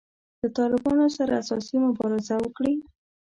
له طالبانو سره اساسي مبارزه وکړي.